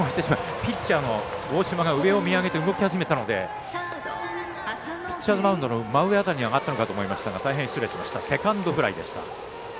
ピッチャーの大嶋が上を見上げて動き始めたのでピッチャーマウンドの真上辺りに上がったのかと思いましたがセカンドフライでした。